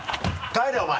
帰れお前。